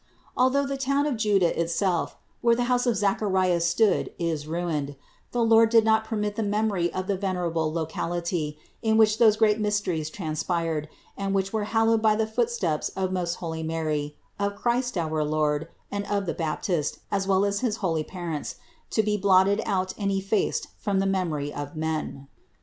Although the town of Juda itself, where the house of Zacharias stood is ruined, the Lord did not permit the memory of the venerable locality in which those great mysteries tran spired, and which were hallowed by the footsteps of most holy Mary, of Christ our Lord, and of the Baptist as well as of his holy parents, to be blotted out and ef faced from the memory of men.